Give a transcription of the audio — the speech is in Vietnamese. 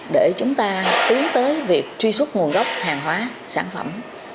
để chúng ta tiến tới việc truy xuất nguồn gốc hàng hóa sản phẩm